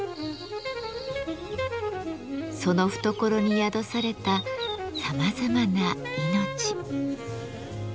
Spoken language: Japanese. その懐に宿されたさまざまな命。